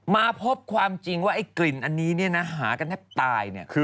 มาพบความจริงว่าไอ้กลิ่นอันนี้เนี่ยนะหากันแทบตายเนี่ย